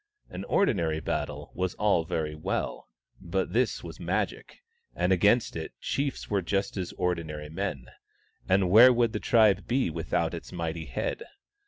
An ordinary battle was all very well, but this was Magic, and against it chiefs were just as ordinary men : and where would the tribe be without its mighty head